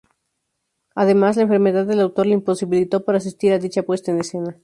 Además, la enfermedad del autor le imposibilitó para asistir a dicha puesta en escena.